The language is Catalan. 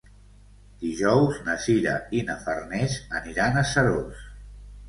Dijous na Sira i na Farners aniran a Seròs.